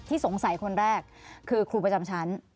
สงสัยคนแรกคือครูประจำชั้น